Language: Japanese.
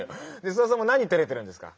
スワさんもなにてれてるんですか。